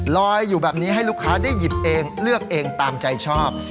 ลอยอยู่แบบนี้ให้ลูกค้าได้หยิบเองเลือกเองตามใจชอบ